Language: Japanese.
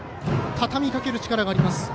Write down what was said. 畳みかける力があります。